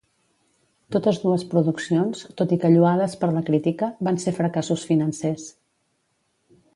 Totes dues produccions, tot i que lloades per la crítica, van ser fracassos financers.